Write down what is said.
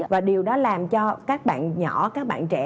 và điều đó làm cho các bạn nhỏ các bạn trẻ